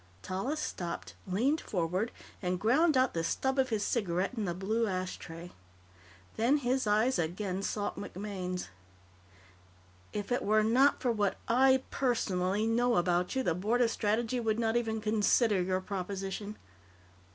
Tallis stopped, leaned forward, and ground out the stub of his cigarette in the blue ashtray. Then his eyes again sought MacMaine's. "If it were not for what I, personally, know about you, the Board of Strategy would not even consider your proposition."